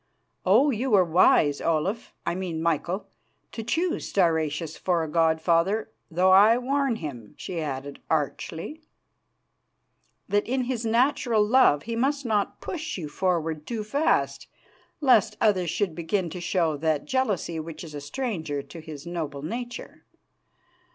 Oh! you were wise, Olaf I mean Michael to choose Stauracius for a god father, though I warn him," she added archly, "that in his natural love he must not push you forward too fast lest others should begin to show that jealousy which is a stranger to his noble nature.